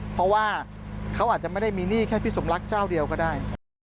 เพราะว่าเขาอาจจะไม่ได้มีหนี้แค่พี่สมรักเจ้าเดียวก็ได้